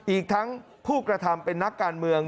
อีกทั้งผู้กระทำเป็นนักการเมือง